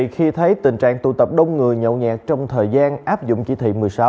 khi thấy tình trạng tụ tập đông người nhậu nhẹt trong thời gian áp dụng chỉ thị một mươi sáu